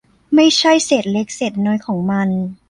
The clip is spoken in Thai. ไม่ใช่เศษเล็กเศษน้อยของมัน